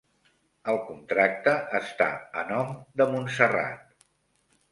El contracte està a nom de Montserrat.